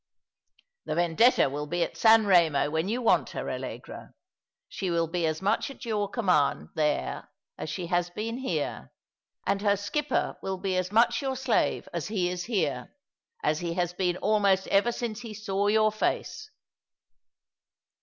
'"" The Vendetta will be at San Eemo when you want her, Allegra. She will be as much at your command there as she has been here; and her skipper will be as much your 212 All along the River, slave as he is hero — as he has been almost ever since he saw your face."